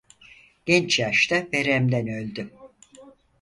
Genç yaşta veremden öldü.